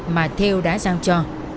mà theo đã dàng cho